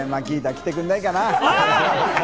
来てくんないかな。